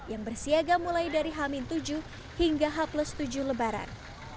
yang bersiaga mulai dari h tujuh hingga h tujuh lebaran